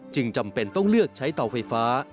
จำเป็นต้องเลือกใช้เตาไฟฟ้า